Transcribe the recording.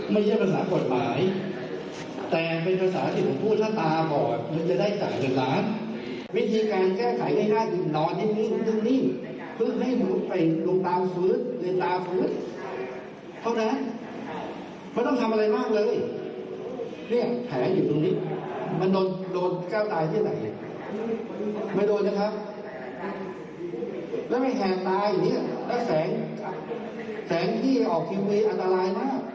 ไม่ใช่ภาษาแพทย์ไม่ใช่ภาษาธรรมการไม่ใช่ภาษากฎหมาย